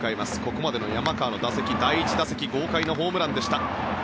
ここまでの山川の打席、第１打席豪快なホームランでした。